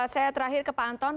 saya terakhir ke panton